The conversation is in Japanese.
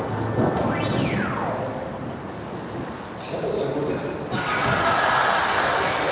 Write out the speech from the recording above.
ほぼ俺の手だったけどね。